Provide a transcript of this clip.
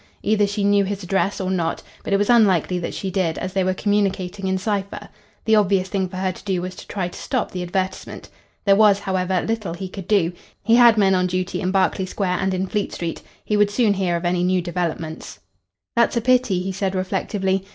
Either she knew his address or not, but it was unlikely that she did, as they were communicating in cipher. The obvious thing for her to do was to try to stop the advertisement. There was, however, little he could do. He had men on duty in Berkeley Square and in Fleet Street. He would soon hear of any new developments. "That's a pity," he said reflectively.